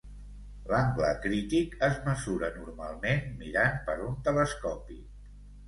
L'angle crític es mesura normalment mirant per un telescopi.